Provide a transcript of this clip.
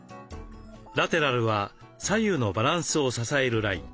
ラテラルは左右のバランスを支えるライン。